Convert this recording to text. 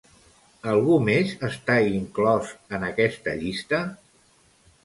Algú més està inclòs en aquesta llista?